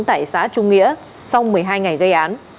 tại xã trung nghĩa sau một mươi hai ngày gây án